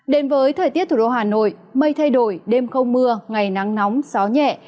đến với thời tiết thủ đô hà nội mây thay đổi đêm không mưa ngày nắng nóng gió nhẹ